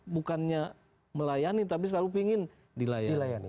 bukannya melayani tapi selalu ingin dilayani